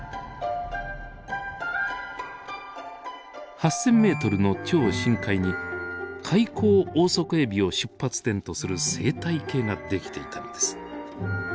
８，０００ｍの超深海にカイコウオオソコエビを出発点とする生態系が出来ていたのです。